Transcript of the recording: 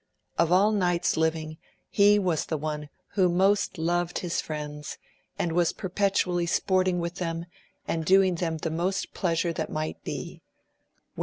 Of all knights living he was the one who most loved his friends, and was perpetually sporting with them and doing them the most pleasure that might be, where VOL.